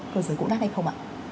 của giới cục đăng hay không ạ